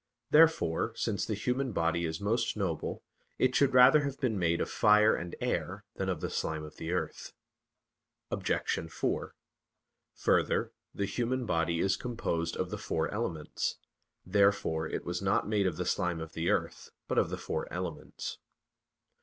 Therefore, since the human body is most noble, it should rather have been made of fire and air than of the slime of the earth. Obj. 4: Further, the human body is composed of the four elements. Therefore it was not made of the slime of the earth, but of the four elements.